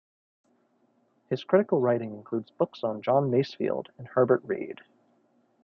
His critical writing includes books on John Masefield and Herbert Read.